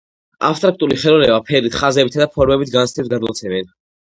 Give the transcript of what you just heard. Აბსტრაქტული ხელოვნება ფერით, ხახებითა და ფორმებით განცდებს გადმოცემენ.